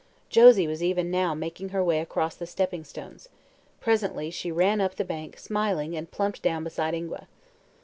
Josie was even now making her way across the stepping stones. Presently she ran up the bank, smiling, and plumped down beside Ingua.